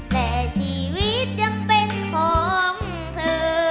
แต่ชีวิตยังเป็นของเธอ